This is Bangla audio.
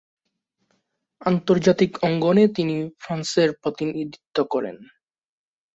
আন্তর্জাতিক অঙ্গনে তিনি ফ্রান্সের প্রতিনিধিত্ব করেন।